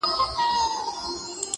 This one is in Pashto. • په ګاونډ کي توتکۍ ورته ویله -